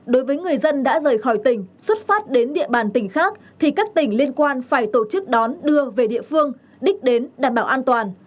đối với người dân đã rời khỏi tỉnh xuất phát đến địa bàn tỉnh khác thì các tỉnh liên quan phải tổ chức đón đưa về địa phương đích đến đảm bảo an toàn